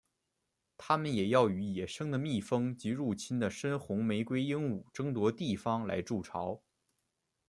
它们也要与野生的蜜蜂及入侵的深红玫瑰鹦鹉争夺地方来筑巢。